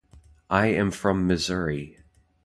I am from Missouri.